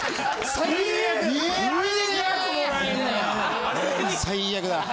最悪だ。